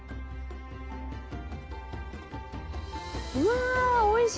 うわおいしそう！